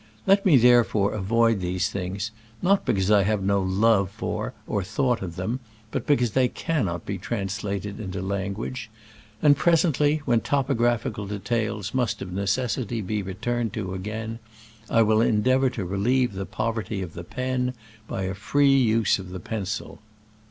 Let me therefore avoid these things, not because I have no love for or thought of them, but because they cannot be translated into language ; and presently, when topographical details must of necessity be returned to again, I will endeavor to relieve the poverty of the pen by a free use of the pencil.